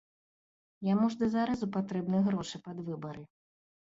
Яму ж дазарэзу патрэбны грошы пад выбары.